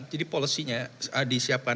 jadi policy nya disiapkan